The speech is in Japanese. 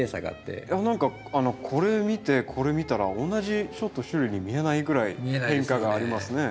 いや何かこれ見てこれ見たら同じ種類に見えないぐらい変化がありますね。